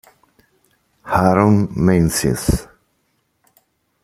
Aaron Menzies